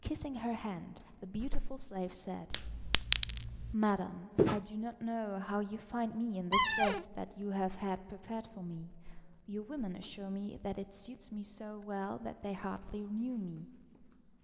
Kissing her hand, the beautiful slave said: "Madam, I do not know how you find me in this dress that you have had prepared for me; your women assure me that it suits me so well that they hardly knew me.